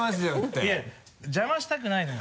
いや邪魔したくないのよ。